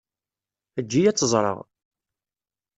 Eǧǧ-iyi ad tt-ẓreɣ.